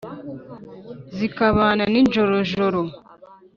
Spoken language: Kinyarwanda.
Zikabana n'injorojoro,